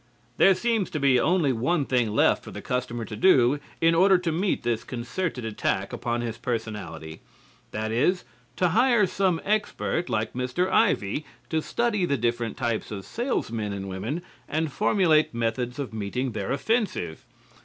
There seems to be only one thing left for the customer to do in order to meet this concerted attack upon his personality. That is, to hire some expert like Mr. Ivey to study the different types of sales men and women and formulate methods of meeting their offensive.